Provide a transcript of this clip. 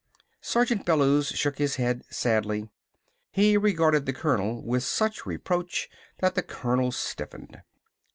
Sergeant Bellews shook his head sadly. He regarded the colonel with such reproach that the colonel stiffened.